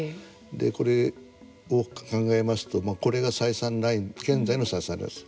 これを考えますとこれが採算ライン現在の採算ラインです。